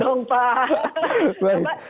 oh jangan dong pak